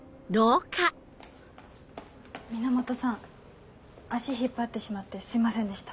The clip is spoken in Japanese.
源さん足引っ張ってしまってすいませんでした。